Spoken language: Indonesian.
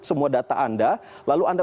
semua data anda lalu anda